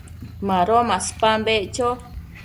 Mado maspan beccho